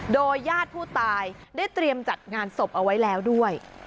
โดยญาติผู้ตายได้เตรียมจัดงานศพเอาไว้แล้วด้วย